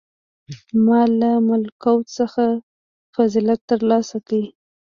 • ما له ملکوت څخه فضیلت تر لاسه کړ.